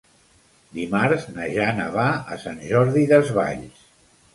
Dimarts na Jana va a Sant Jordi Desvalls.